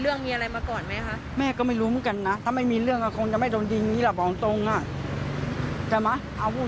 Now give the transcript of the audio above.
แล้วก็ไม่รู้ว่าเป็นกลุ่มไหนยังไง